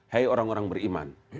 hai orang orang beriman